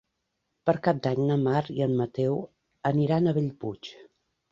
Per Cap d'Any na Mar i en Mateu aniran a Bellpuig.